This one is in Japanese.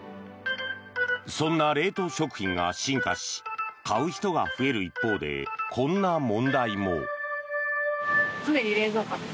そんな冷凍食品が進化し買う人が増える一方でこんな問題も。